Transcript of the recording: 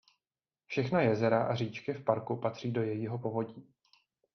Všechna jezera a říčky v parku patří do jejího povodí.